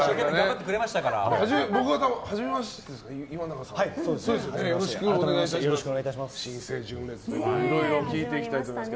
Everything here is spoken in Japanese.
僕は初めましてですね。